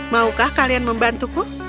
maukah kalian membantuku